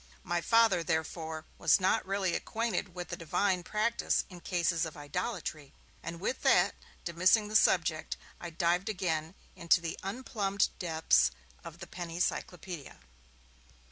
My Father, therefore, was not really acquainted with the Divine practice in cases of idolatry. And with that, dismissing the subject, I dived again into the unplumbed depths of the Penny Cyclopaedia.